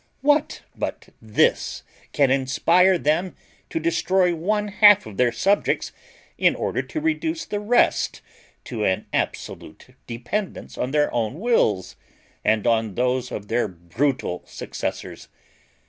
What but this can inspire them to destroy one half of their subjects, in order to reduce the rest to an absolute dependence on their own wills, and on those of their brutal successors?